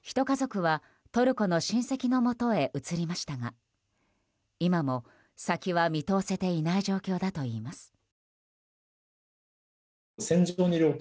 １家族は、トルコの親戚のもとへ移りましたが今も先は見通せていない状況だといいます。